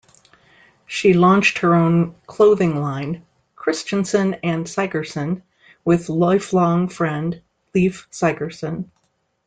She launched her own clothing line, "Christensen and Sigersen," with lifelong friend Leif Sigersen.